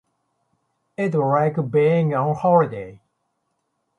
It was like being on holiday.